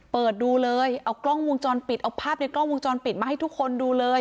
เปิดดูเลยเอากล้องวงจรปิดเอาภาพในกล้องวงจรปิดมาให้ทุกคนดูเลย